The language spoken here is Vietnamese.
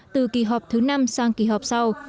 từ kỳ họp thứ năm sang kỳ họp sau